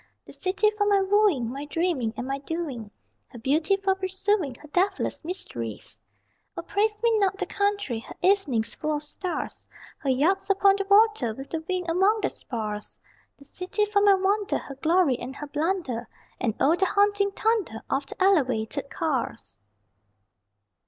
The city for my wooing, My dreaming and my doing; Her beauty for pursuing, Her deathless mysteries. O praise me not the country, Her evenings full of stars, Her yachts upon the water with the wind among their spars The city for my wonder, Her glory and her blunder, And O the haunting thunder Of the Elevated cars!